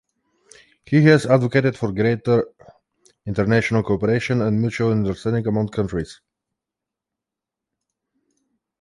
He has advocated for greater international cooperation and mutual understanding among countries.